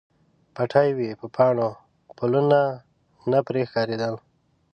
پټې وې په پاڼو، پلونه نه پرې ښکاریدل